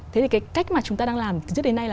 thế thì cái cách mà chúng ta đang làm từ trước đến nay là